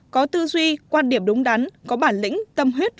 có tư duy quan điểm đúng đắn có bản lĩnh tâm huyết